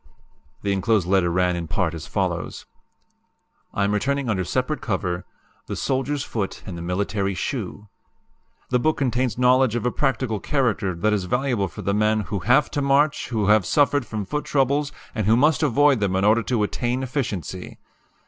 The enclosed letter ran in part as follows: "I am returning under separate cover 'The Soldiers' Foot and the Military Shoe.' "The book contains knowledge of a practical character that is valuable for the men who HAVE TO MARCH, WHO HAVE SUFFERED FROM FOOT TROUBLES, AND WHO MUST AVOID THEM IN ORDER TO ATTAIN EFFICIENCY.